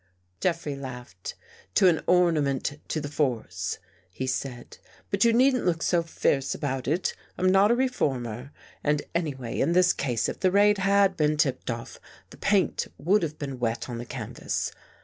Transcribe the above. Jeffrey laughed. " To an ornament to the Force," he said. " But you needn't look so fierce about it. I'm not a reformer. And anyway, in this case, if the raid had been tipped off, the paint would have been wet on the canvas.